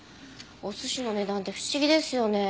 お寿司の値段って不思議ですよね。